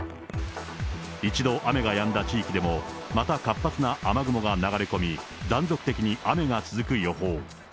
一度雨がやんだ地域でも、また活発な雨雲が流れ込み、断続的に雨が続く予報。